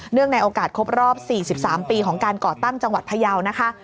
ในโอกาสครบรอบ๔๓ปีของการก่อตั้งจังหวัดพยาวนะคะ